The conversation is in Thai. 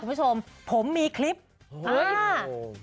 คุณผู้ชมผมมีคลิปเออ